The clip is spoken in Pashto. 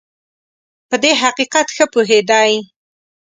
په دې حقیقت ښه پوهېدی.